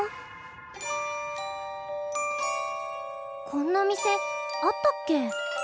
こんな店あったっけ？